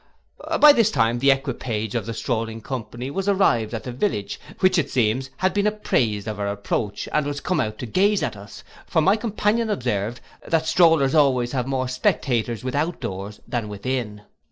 By this time the equipage of the strolling company was arrived at the village, which, it seems, had been apprised of our approach, and was come out to gaze at us; for my companion observed, that strollers always have more spectators without doors than within.